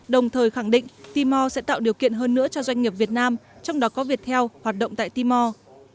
đồng thời khẳng định timor sẽ tạo điều kiện hơn nữa cho doanh nghiệp việt nam trong đó có viettel hoạt động tại timor